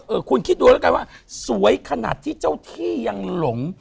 คุณคิดดูแล้วกันว่าสวยขนาดที่เจ้าที่ยังหลง